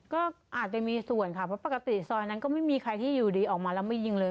ก็อาจจะมีส่วนค่ะเพราะปกติซอยนั้นก็ไม่มีใครที่อยู่ดีออกมาแล้วไม่ยิงเลย